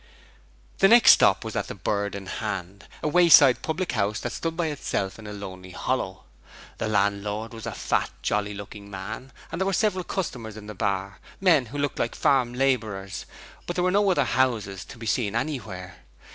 The next stop was at the Bird in Hand, a wayside public house that stood all by itself in a lonely hollow. The landlord was a fat, jolly looking man, and there were several customers in the bar men who looked like farm labourers, but there were no other houses to be seen anywhere.